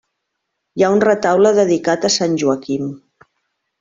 Hi ha un retaule dedicat a Sant Joaquim.